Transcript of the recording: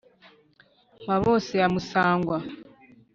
mpabose ya musangwa,